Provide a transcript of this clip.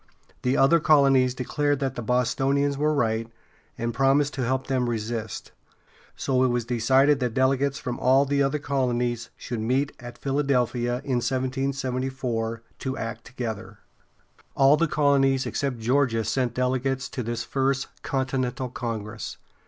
The other colonies declared that the Bostonians were right, and promised to help them resist; so it was decided that delegates from all the colonies should meet at Philadelphia, in 1774, to act together. All the colonies except Georgia sent delegates to this First Continental Congress.